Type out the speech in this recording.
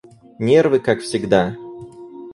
Нервы как всегда.